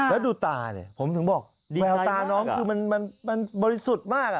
แล้วดูตาผมถึงบอกแววตาน้องมันมริสุทธิ์มาก